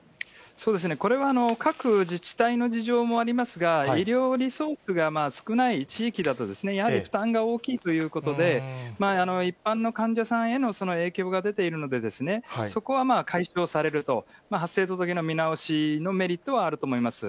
これは、各自治体の事情もありますが、医療リソースが少ない地域だと、やはり負担が大きいということで、一般の患者さんへの影響が出ているので、そこは解消されると、発生届の見直しのメリットはあると思います。